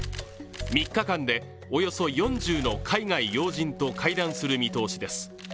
３日間で、およそ４０の海外要人と会談する見通しです。